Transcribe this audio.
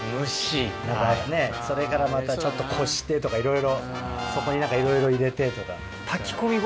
それからまたちょっとこしてとかそこに何かいろいろ入れてとか。